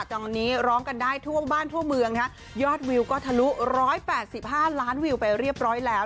ตอนนี้ร้องกันได้ทั่วบ้านทั่วเมืองค่ะยอดวิวก็ทะลุร้อยแปดสิบห้านล้านวิวไปเรียบร้อยแล้ว